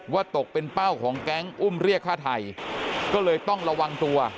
ตกเป็นเป้าของแก๊งอุ้มเรียกฆ่าไทยก็เลยต้องระวังตัว